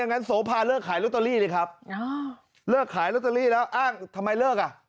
งั้นโสภาเลิกขายลอตเตอรี่ดิครับเลิกขายลอตเตอรี่แล้วอ้างทำไมเลิกอ่ะ